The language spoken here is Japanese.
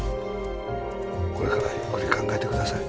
これからゆっくり考えてください